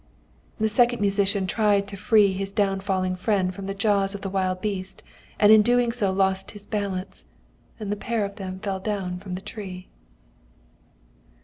"The second musician tried to free his down falling friend from the jaws of the wild beast, and in doing so lost his balance, and the pair of them fell down from the tree.